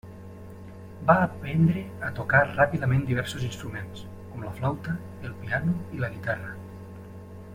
Va aprendre a tocar ràpidament diversos instruments, com la flauta, el piano i la guitarra.